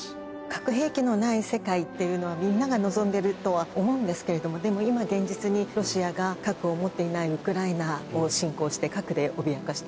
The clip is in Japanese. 核兵器のない世界っていうのはみんなが望んでるとは思うんですけれどもでも今現実にロシアが核を持っていないウクライナを侵攻して核で脅かしてる。